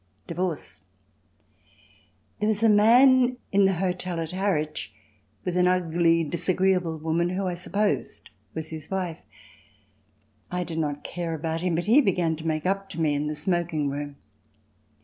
Divorce There was a man in the hotel at Harwich with an ugly disagreeable woman who I supposed was his wife. I did not care about him, but he began to make up to me in the smoking room.